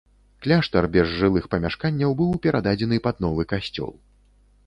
Кляштар без жылых памяшканняў быў перададзены пад новы касцёл.